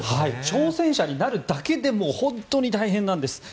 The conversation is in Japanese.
挑戦者になるだけでも本当に大変なんです。